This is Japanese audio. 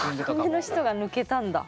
要の人が抜けたんだ。